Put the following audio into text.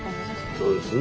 そうですね。